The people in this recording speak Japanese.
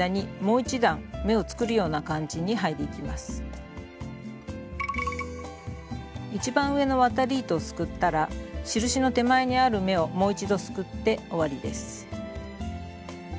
一番上の渡り糸をすくったら印の手前にある目をもう一度すくって終わりです。